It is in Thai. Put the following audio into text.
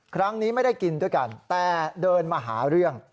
ครั้งนี้ไม่ได้กินด้วยกันแต่เดินมาหาเรื่อง